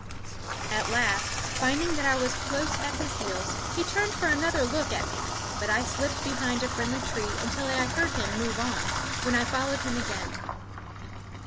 At last, finding that I was close at his heels, he turned for another look at me; but I slipped behind a friendly tree until I heard him move on, when I followed him again.